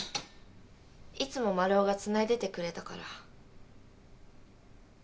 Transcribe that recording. いつもマルオがつないでてくれたから。